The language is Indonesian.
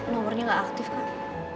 nomernya gak aktif kak